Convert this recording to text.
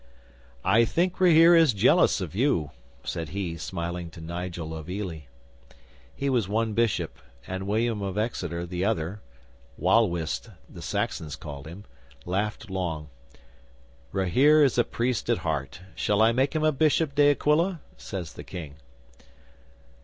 '"I think Rahere is jealous of you," said he, smiling, to Nigel of Ely. He was one bishop; and William of Exeter, the other Wal wist the Saxons called him laughed long. "Rahere is a priest at heart. Shall I make him a bishop, De Aquila?" says the King.